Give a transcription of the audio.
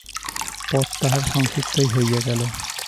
পথ তাহার সংক্ষিপ্তই হইয়া গেল।